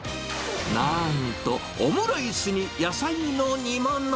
なんと、オムライスに野菜の煮物。